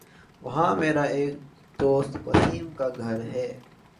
وہاں میر ایک دوست وسیم کا گھر ہے